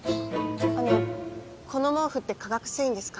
あのこの毛布って化学繊維ですか？